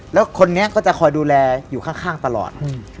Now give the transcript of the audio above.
แล้วคนนี้ก็จะคอยดูแลอยู่ข้างตลอด